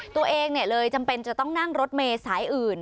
ตัวเองเลยจำเป็นจะต้องนั่งรถเมย์สายอื่น